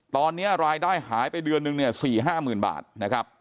ตอนนี้รายได้หายไปเดือนนึงเนี่ย๔๕๐๐๐บาทนะครับ